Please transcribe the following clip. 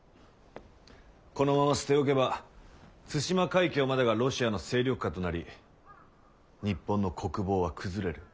このまま捨て置けば対馬海峡までがロシアの勢力下となり日本の国防は崩れる。